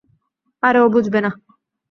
আরে ও বুঝবে না।